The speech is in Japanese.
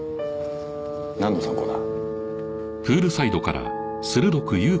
なんの参考だ？